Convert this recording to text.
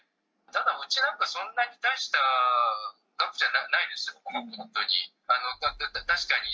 ただ、うちなんかはそんなに大した額じゃないです、本当に。